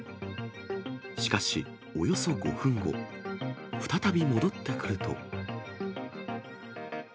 しかしおよそ５分後、再び戻ってくると。